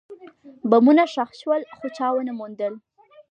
بمونه ښخ شول، خو چا ونه موندل.